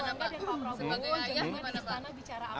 sebagai ayah gimana pak